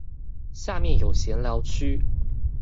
下面有閒聊區